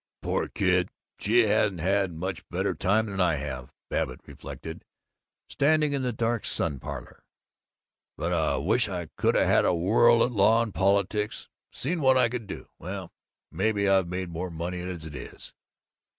"Poor kid, she hasn't had much better time than I have," Babbitt reflected, standing in the dark sun parlor. "But I wish I could've had a whirl at law and politics. Seen what I could do. Well Maybe I've made more money as it is."